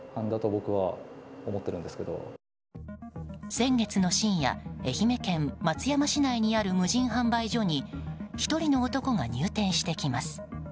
先月の深夜愛媛県松山市内にある無人販売所に１人の男が入店してきます。